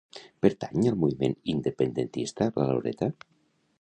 Pertany al moviment independentista la Loreta?